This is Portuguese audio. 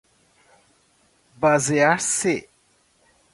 basear-se